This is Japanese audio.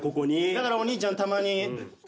だからお兄ちゃんたまに。